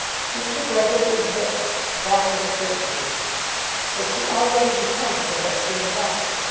Mr. Brehgert was rich. That was a certainty. But she already repented of what she had done.